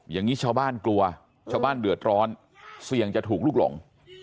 อย่างนี้ชาวบ้านกลัวชาวบ้านเดือดร้อนเสี่ยงจะถูกลุกหลง